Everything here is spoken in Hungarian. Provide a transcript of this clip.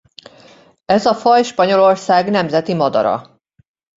Ez a faj Spanyolország nemzeti madara.